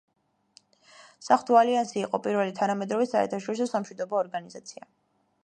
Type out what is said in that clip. საღვთო ალიანსი იყო პირველი თანამედროვე საერთაშორისო სამშვიდობო ორგანიზაცია.